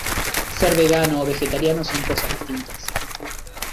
Ser vegano o vegetariano son cosas distintas.